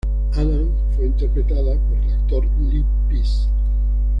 Addams fue interpretada por el actor Lee Pace.